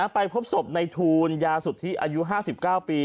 ไปพบศพในทูลยาสุทธิอายุ๕๙ปี